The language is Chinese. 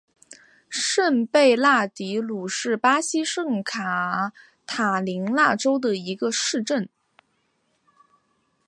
圣贝纳迪努是巴西圣卡塔琳娜州的一个市镇。